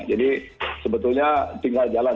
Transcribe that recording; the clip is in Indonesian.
jadi sebetulnya tinggal jalan